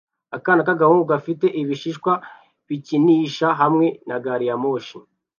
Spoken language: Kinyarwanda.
Akana k'agahungu gafite ibishishwa bikinisha hamwe na gari ya moshi